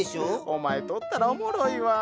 お前とおったらおもろいわぁ。